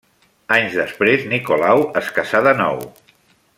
Anys després, Nicolau es casà de nou.